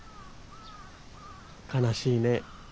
悲しいね。